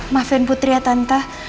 maafin putri ya tante